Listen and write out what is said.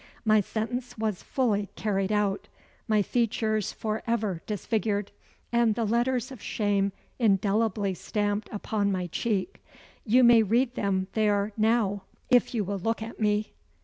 My sentence was fully carried out; my features for ever disfigured; and the letters of shame indelibly stamped upon my cheek. You may read them there now if you will look at me."